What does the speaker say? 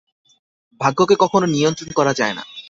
ভাগ্যকে কখনো নিয়ন্ত্রণ করা যায় না।